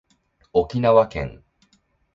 沖縄県